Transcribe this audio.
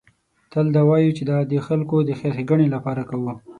تل دا وایو چې دا د خلکو د خیر ښېګڼې لپاره کوو.